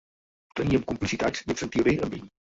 Teníem complicitats i em sentia bé amb ell.